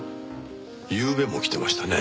ゆうべも来てましたね。